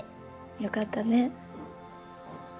よかったね。